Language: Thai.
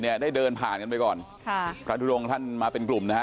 ได้เดินผ่านกันไปก่อนค่ะพระทุดงท่านมาเป็นกลุ่มนะฮะ